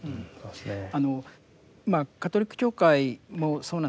まあカトリック教会もそうなんですけどね